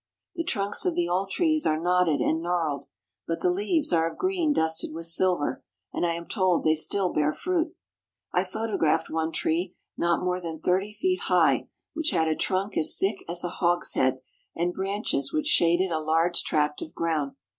The trunks of the old trees are knotted and gnarled, but the leaves are of green dusted with silver, and I am told they still bear fruit. I photographed one tree not more than thirty feet high which had a trunk as thick as a hogshead and branches which shaded a large tract of ground.